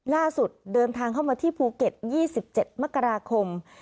เดินทางเข้ามาที่ภูเก็ต๒๗มกราคม